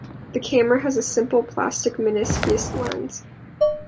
The camera has a simple plastic meniscus lens.